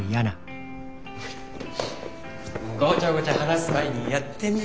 ごちゃごちゃ話す前にやってみねえ？